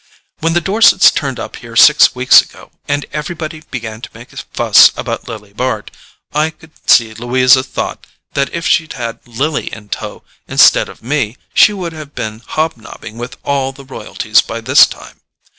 When the Dorsets turned up here six weeks ago, and everybody began to make a fuss about Lily Bart, I could see Louisa thought that if she'd had Lily in tow instead of me she would have been hob nobbing with all the royalties by this time.